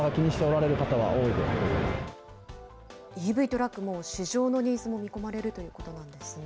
ＥＶトラック、もう市場のニーズも見込まれるということなんですね。